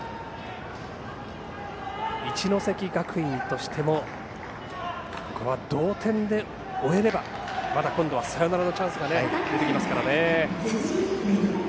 一関学院としてもここは同点で終えればまだ今度はサヨナラのチャンスが出てきますからね。